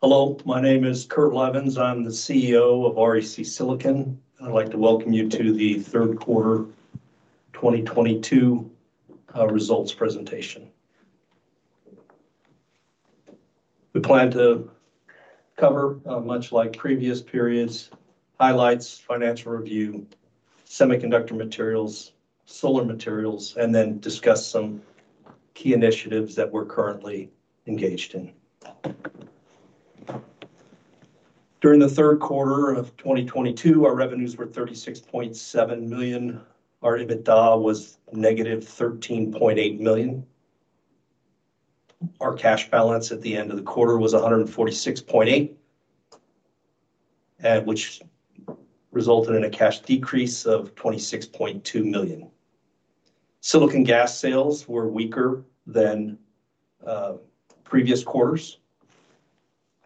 Hello, my name is Kurt Leutgeb. I'm the CEO of REC Silicon. I'd like to welcome you to the Q3 2022 Results Presentation. We plan to cover, much like previous periods, highlights, financial review, semiconductor materials, solar materials, and then discuss some key initiatives that we're currently engaged in. During the Q3 of 2022, our revenues were $36.7 million. Our EBITDA was negative $13.8 million. Our cash balance at the end of the quarter was $146.8, which resulted in a cash decrease of $26.2 million. Silicon gas sales were weaker than previous quarters.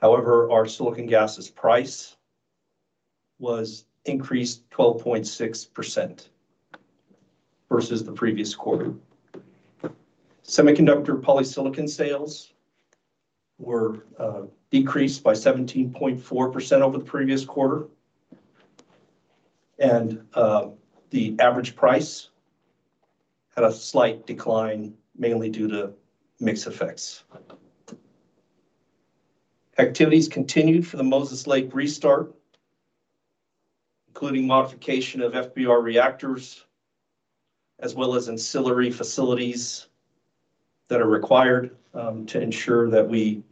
However, our silicon gas price was increased 12.6% versus the previous quarter. Semiconductor polysilicon sales were decreased by 17.4% over the previous quarter. The average price had a slight decline, mainly due to mix effects. Activities continued for the Moses Lake restart, including modification of FBR reactors, as well as ancillary facilities that are required to ensure that we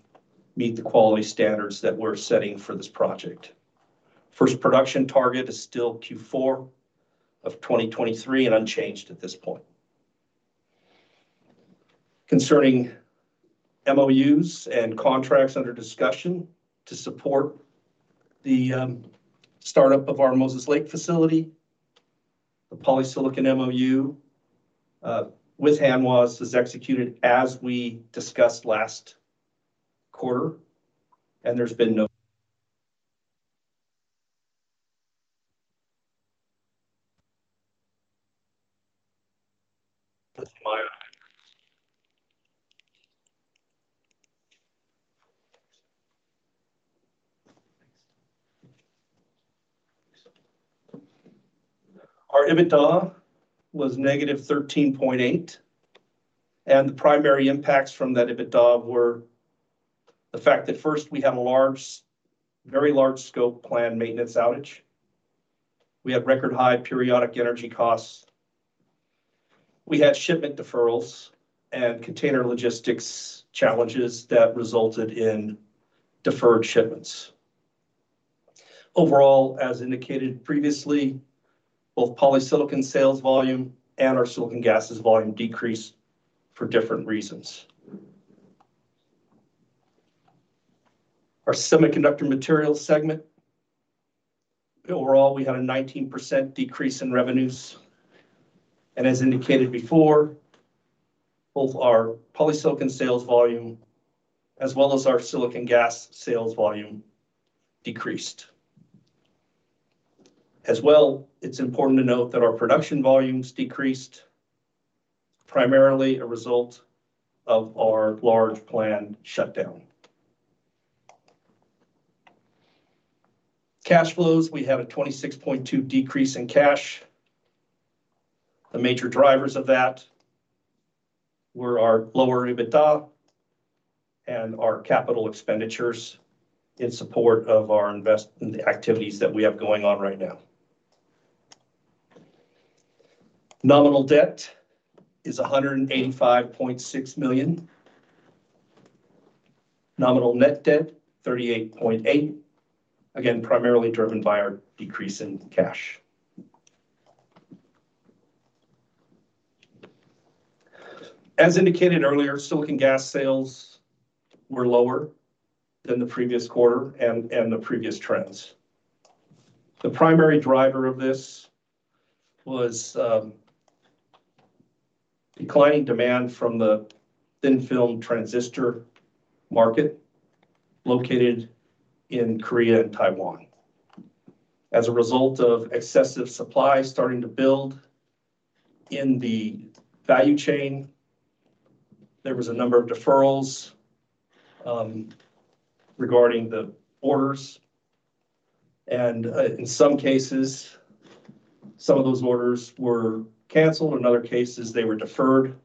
meet the quality standards that we're setting for this project. First production target is still Q4 of 2023 and unchanged at this point. Concerning MOUs and contracts under discussion to support the startup of our Moses Lake facility, the polysilicon MOU with Hanwha was executed as we discussed last quarter. Our EBITDA was negative $13.8, and the primary impacts from that EBITDA were the fact that first we had a large, very large scope planned maintenance outage. We had record high periodic energy costs. We had shipment deferrals and container logistics challenges that resulted in deferred shipments. Overall, as indicated previously, both polysilicon sales volume and our silicon gases volume decreased for different reasons. Our semiconductor materials segment, overall, we had a 19% decrease in revenues. As indicated before, both our polysilicon sales volume as well as our silicon gas sales volume decreased. As well, it's important to note that our production volumes decreased, primarily a result of our large planned shutdown. Cash flows, we have a 26.2% decrease in cash. The major drivers of that were our lower EBITDA and our capital expenditures in support of our activities that we have going on right now. Nominal debt is $185.6 million. Nominal net debt, $38.8 million, again, primarily driven by our decrease in cash. As indicated earlier, silicon gas sales were lower than the previous quarter and the previous trends. The primary driver of this was declining demand from the thin film transistor market located in Korea and Taiwan. As a result of excessive supply starting to build in the value chain, there was a number of deferrals regarding the orders, and in some cases, some of those orders were canceled, in other cases, they were deferred.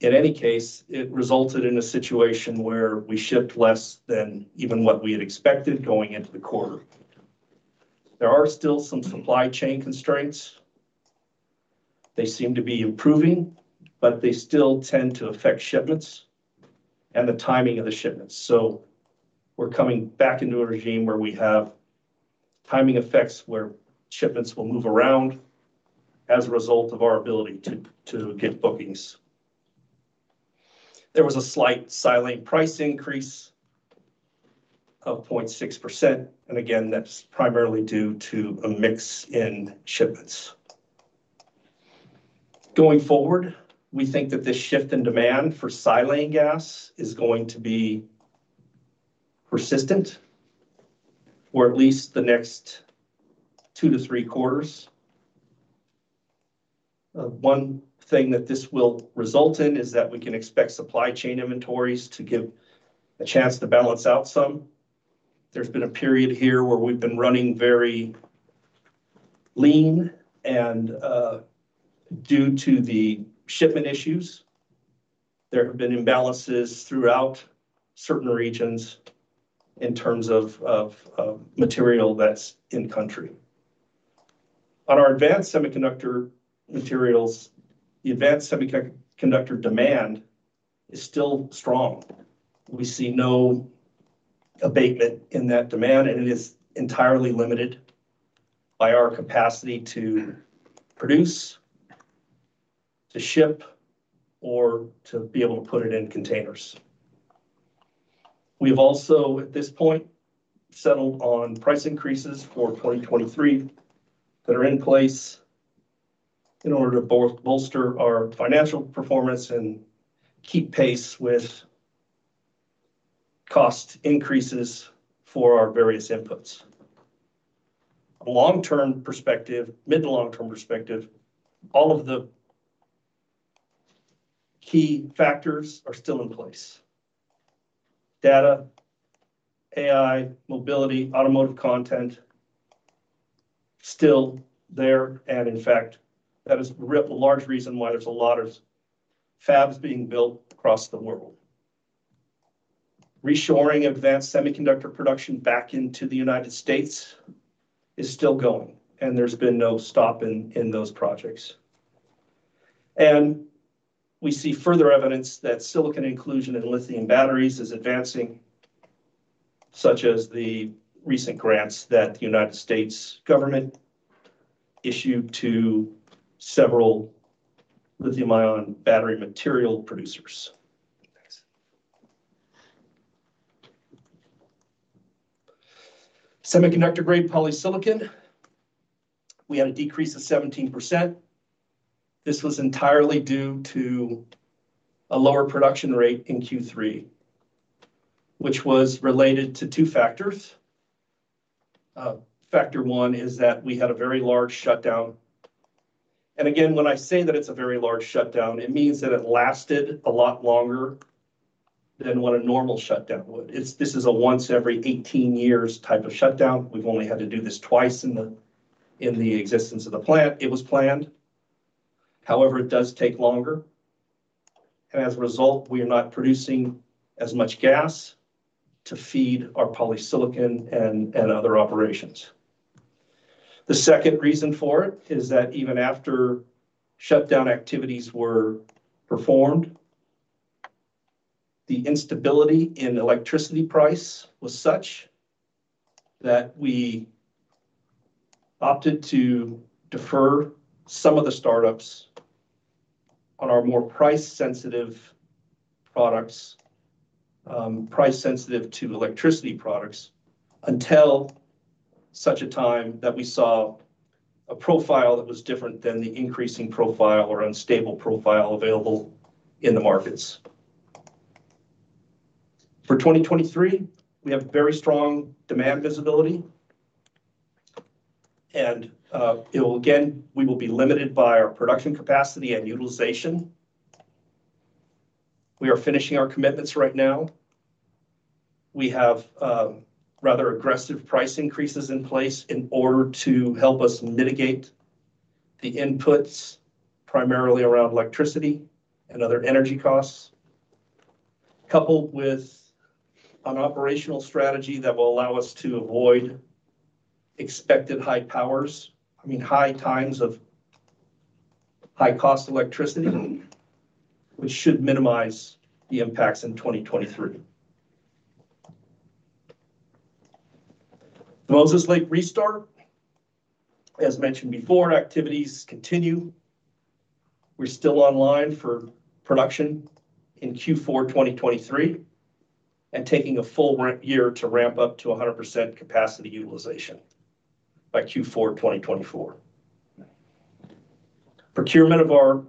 In any case, it resulted in a situation where we shipped less than even what we had expected going into the quarter. There are still some supply chain constraints. They seem to be improving, but they still tend to affect shipments and the timing of the shipments. We're coming back into a regime where we have timing effects where shipments will move around as a result of our ability to get bookings. There was a slight silane price increase of 0.6%, and again, that's primarily due to a mix in shipments. Going forward, we think that this shift in demand for silane gas is going to be persistent for at least the next two to three quarters. One thing that this will result in is that we can expect supply chain inventories to give a chance to balance out some. There's been a period here where we've been running very lean and, due to the shipment issues, there have been imbalances throughout certain regions in terms of material that's in country. On our advanced semiconductor materials, the advanced semiconductor demand is still strong. We see no abatement in that demand, and it is entirely limited by our capacity to produce, to ship, or to be able to put it in containers. We've also, at this point, settled on price increases for 2023 that are in place in order to bolster our financial performance and keep pace with cost increases for our various inputs. A long-term perspective, mid- to long-term perspective, all of the key factors are still in place. Data, AI, mobility, automotive content, still there, and in fact, that is a large reason why there's a lot of fabs being built across the world. Reshoring advanced semiconductor production back into the United States is still going, and there's been no stopping in those projects. We see further evidence that silicon inclusion in lithium batteries is advancing, such as the recent grants that the United States government issued to several lithium-ion battery material producers. Thanks. Semiconductor-grade polysilicon, we had a decrease of 17%. This was entirely due to a lower production rate in Q3, which was related to two factors. Factor one is that we had a very large shutdown. Again, when I say that it's a very large shutdown, it means that it lasted a lot longer than what a normal shutdown would. This is a once every 18 years type of shutdown. We've only had to do this twice in the existence of the plant. It was planned. However, it does take longer, and as a result, we are not producing as much gas to feed our polysilicon and other operations. The second reason for it is that even after shutdown activities were performed, the instability in electricity price was such that we opted to defer some of the startups on our more price-sensitive products, price sensitive to electricity products, until such a time that we saw a profile that was different than the increasing profile or unstable profile available in the markets. For 2023, we have very strong demand visibility. Again, we will be limited by our production capacity and utilization. We are finishing our commitments right now. We have rather aggressive price increases in place in order to help us mitigate the inputs, primarily around electricity and other energy costs, coupled with an operational strategy that will allow us to avoid expected high powers. I mean, high times of high cost electricity, which should minimize the impacts in 2023. Moses Lake restart, as mentioned before, activities continue. We're still online for production in Q4 2023 and taking a full year to ramp up to 100% capacity utilization by Q4 2024. Procurement of our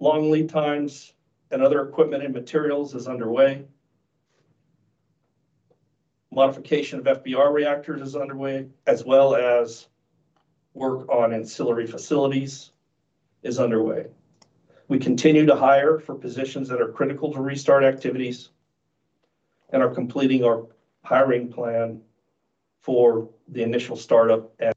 long lead times and other equipment and materials is underway. Modification of FBR reactors is underway, as well as work on ancillary facilities is underway. We continue to hire for positions that are critical to restart activities and are completing our hiring plan for the initial startup at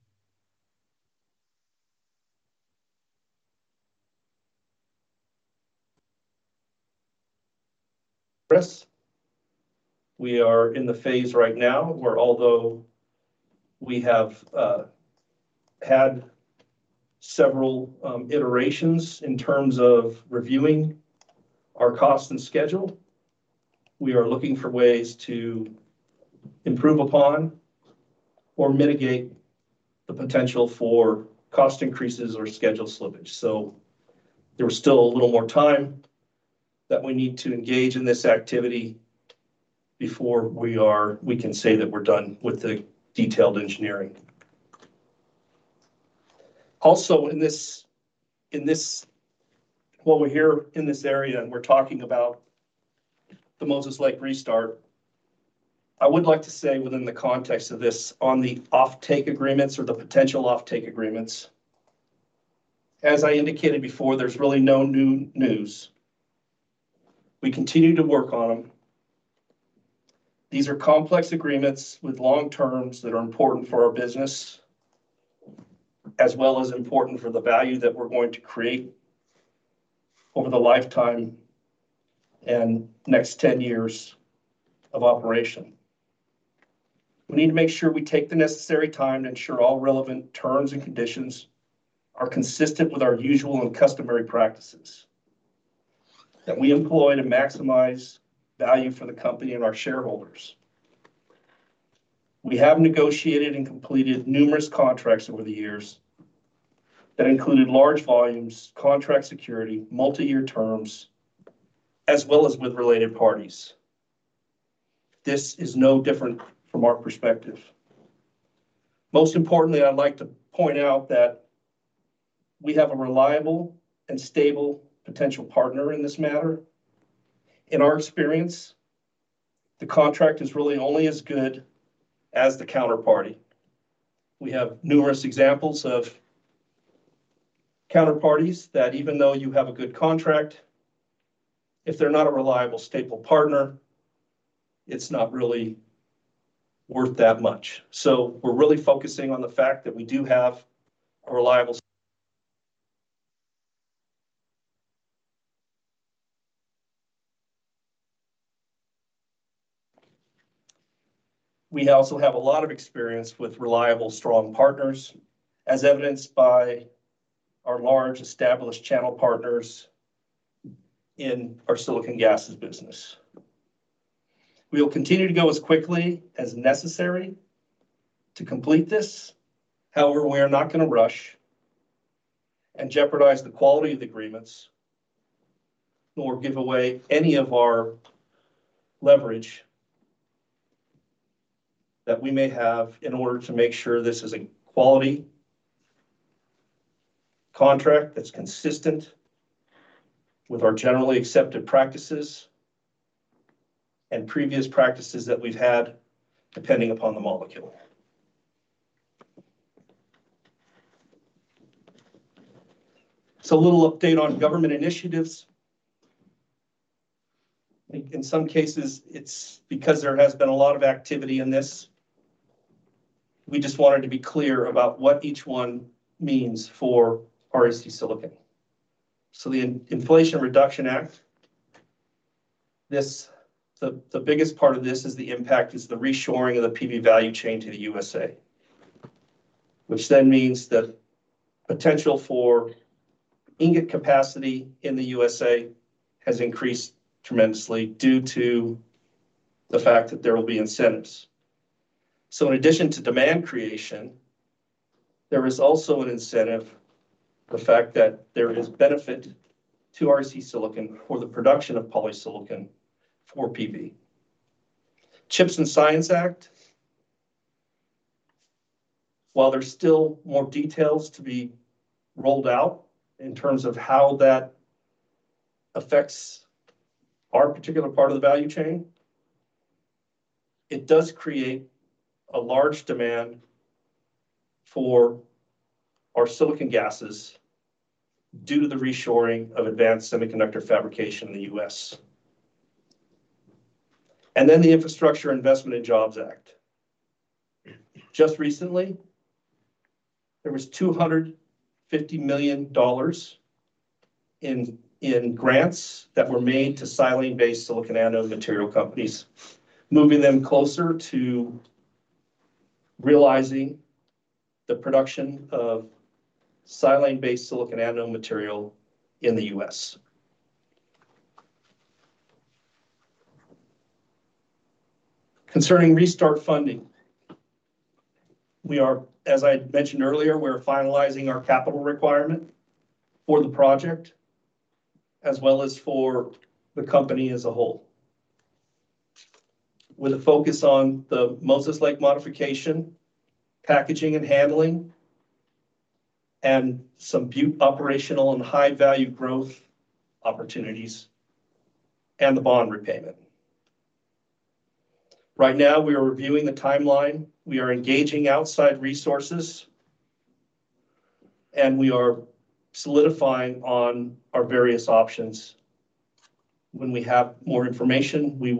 Moses Lake. We are in the phase right now where although we have had several iterations in terms of reviewing our cost and schedule, we are looking for ways to improve upon or mitigate the potential for cost increases or schedule slippage. There is still a little more time that we need to engage in this activity before we can say that we're done with the detailed engineering. Also, while we're here in this area and we're talking about the Moses Lake restart, I would like to say within the context of this on the offtake agreements or the potential offtake agreements, as I indicated before, there's really no new news. We continue to work on them. These are complex agreements with long terms that are important for our business, as well as important for the value that we're going to create over the lifetime and next 10 years of operation. We need to make sure we take the necessary time to ensure all relevant terms and conditions are consistent with our usual and customary practices that we employ to maximize value for the company and our shareholders. We have negotiated and completed numerous contracts over the years that included large volumes, contract security, multi-year terms, as well as with related parties. This is no different from our perspective. Most importantly, I'd like to point out that we have a reliable and stable potential partner in this matter. In our experience, the contract is really only as good as the counterparty. We have numerous examples of counterparties that even though you have a good contract, if they're not a reliable, stable partner, it's not really worth that much. We're really focusing on the fact that we do have a reliable. We also have a lot of experience with reliable, strong partners, as evidenced by our large established channel partners in our silicon gases business. We will continue to go as quickly as necessary to complete this. However, we are not gonna rush and jeopardize the quality of the agreements, nor give away any of our leverage that we may have in order to make sure this is a quality contract that's consistent with our generally accepted practices and previous practices that we've had, depending upon the molecule. A little update on government initiatives. In some cases, it's because there has been a lot of activity in this. We just wanted to be clear about what each one means for REC Silicon. The Inflation Reduction Act, the biggest part of this is the impact is the reshoring of the PV value chain to the U.S.A., which then means the potential for ingot capacity in the U.S.A. has increased tremendously due to the fact that there will be incentives. In addition to demand creation, there is also an incentive, the fact that there is benefit to REC Silicon for the production of polysilicon for PV. CHIPS and Science Act, while there's still more details to be rolled out in terms of how that affects our particular part of the value chain, it does create a large demand for our silicon gases due to the reshoring of advanced semiconductor fabrication in the U.S. The Infrastructure Investment and Jobs Act. Just recently, there was $250 million in grants that were made to silane-based silicon anode material companies, moving them closer to realizing the production of silane-based silicon anode material in the U.S. Concerning restart funding, as I mentioned earlier, we're finalizing our capital requirement for the project as well as for the company as a whole, with a focus on the Moses Lake modification, packaging and handling, and some Butte operational and high-value growth opportunities, and the bond repayment. Right now, we are reviewing the timeline. We are engaging outside resources, and we are solidifying on our various options. When we have more information, we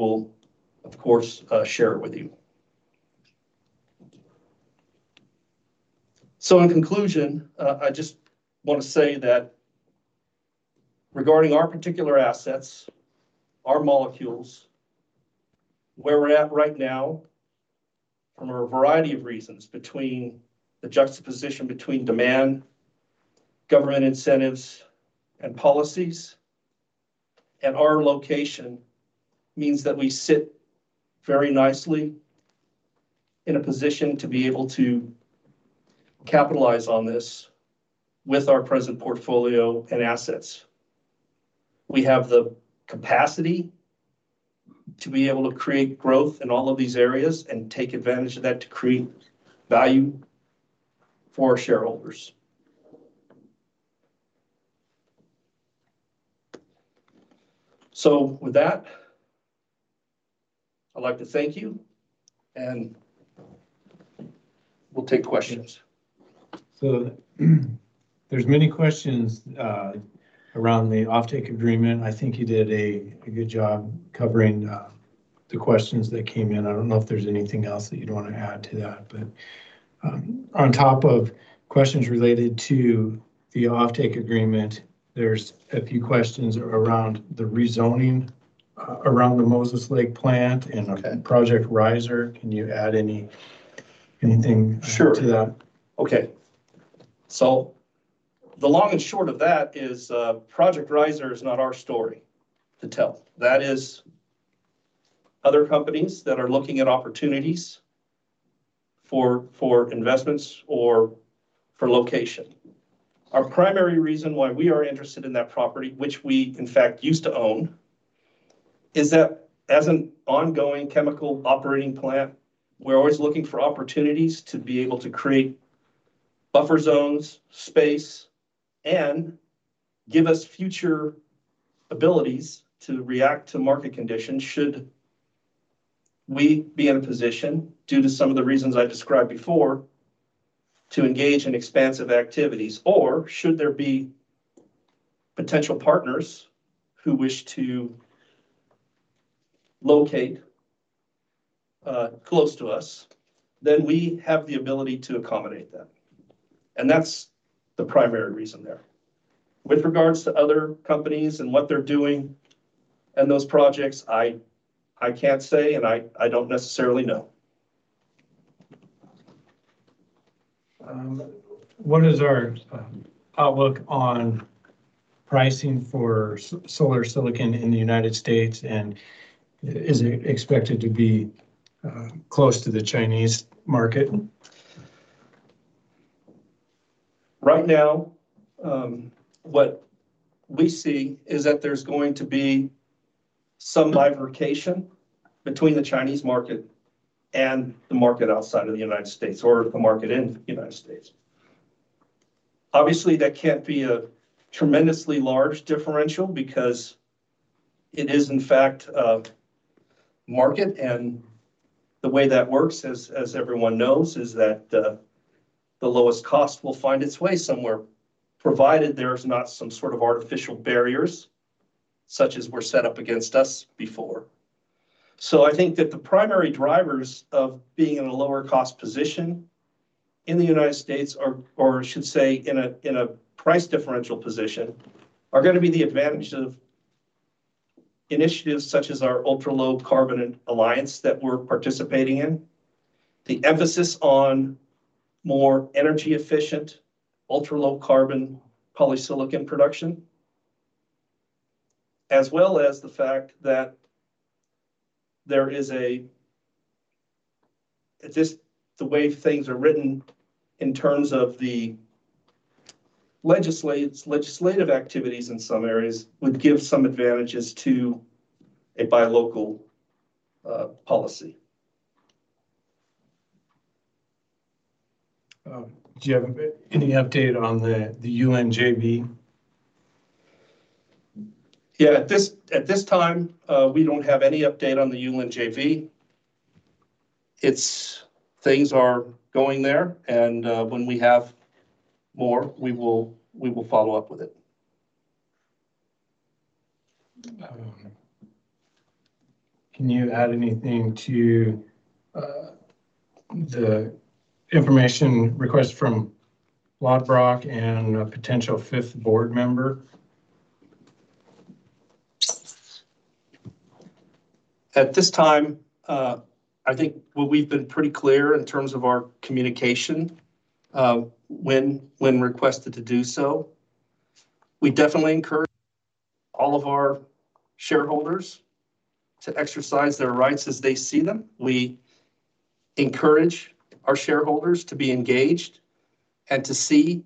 will of course share it with you. In conclusion, I just wanna say that regarding our particular assets, our molecules, where we're at right now from a variety of reasons between the juxtaposition between demand, government incentives, and policies, and our location means that we sit very nicely in a position to be able to capitalize on this with our present portfolio and assets. We have the capacity to be able to create growth in all of these areas and take advantage of that to create value for our shareholders. With that, I'd like to thank you, and we'll take questions. There's many questions around the offtake agreement. I think you did a good job covering the questions that came in. I don't know if there's anything else that you'd want to add to that. On top of questions related to the offtake agreement, there's a few questions around the rezoning around the Moses Lake plant. Okay Project Riser. Can you add anything? Sure To that? Okay. The long and short of that is, Project Riser is not our story to tell. That is other companies that are looking at opportunities for investments or for location. Our primary reason why we are interested in that property, which we in fact used to own, is that as an ongoing chemical operating plant, we're always looking for opportunities to be able to create buffer zones, space and give us future abilities to react to market conditions should we be in a position, due to some of the reasons I described before, to engage in expansive activities. Should there be potential partners who wish to locate close to us, then we have the ability to accommodate them. That's the primary reason there. With regards to other companies and what they're doing in those projects, I can't say and I don't necessarily know. What is our outlook on pricing for solar silicon in the United States, and is it expected to be close to the Chinese market? Right now, what we see is that there's going to be some bifurcation between the Chinese market and the market outside of the United States or the market in the United States. Obviously, that can't be a tremendously large differential because it is in fact a market, and the way that works, as everyone knows, is that the lowest cost will find its way somewhere, provided there's not some sort of artificial barriers such as were set up against us before. I think that the primary drivers of being in a lower cost position in the United States are, or I should say in a price differential position, are gonna be the advantage of initiatives such as our Ultra Low-Carbon Solar Alliance that we're participating in. The emphasis on more energy-efficient, ultra low-carbon polysilicon production, as well as the fact that there is, at this, the way things are written in terms of the legislative activities in some areas would give some advantages to a buy local policy. Do you have any update on the Yulin JV? Yeah. At this time, we don't have any update on the Yulin JV. Things are going there and, when we have more, we will follow up with it. Can you add anything to the information request from Lodbrok and a potential fifth board member? At this time, I think we've been pretty clear in terms of our communication, when requested to do so. We definitely encourage all of our shareholders to exercise their rights as they see them. We encourage our shareholders to be engaged and to see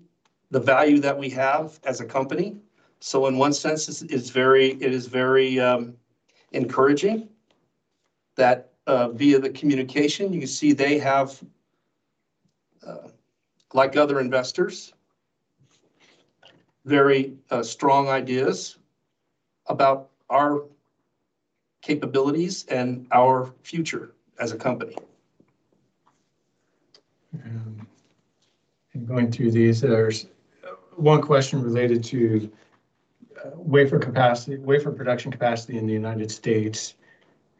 the value that we have as a company. In one sense, this is very encouraging that, via the communication, you can see they have, like other investors, very strong ideas about our capabilities and our future as a company. In going through these, there's one question related to wafer capacity, wafer production capacity in the United States,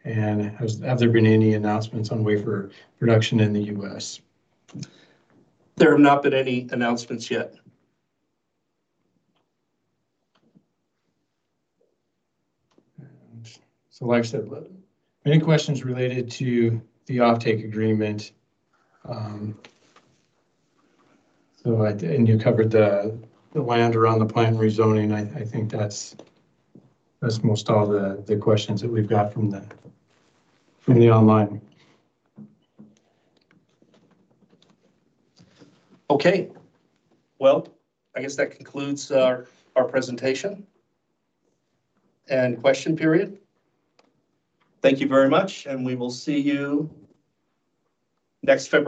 and have there been any announcements on wafer production in the U.S.? There have not been any announcements yet. Like I said, many questions related to the offtake agreement. You covered the land around the plant rezoning. I think that's most all the questions that we've got from the online. Okay. Well, I guess that concludes our presentation and question period. Thank you very much, and we will see you next February.